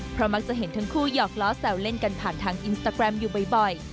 เพราะมักจะเห็นทั้งคู่หยอกล้อแซวเล่นกันผ่านทางอินสตาแกรมอยู่บ่อย